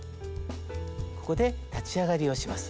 ここで立ち上がりをします。